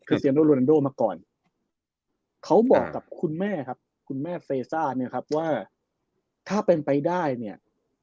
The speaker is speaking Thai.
คือมาก่อนเขาบอกกับคุณแม่ครับคุณแม่เนี่ยครับว่าถ้าเป็นไปได้เนี่ย